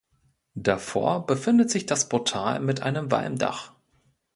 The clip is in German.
Davor befindet sich das Portal mit einem Walmdach.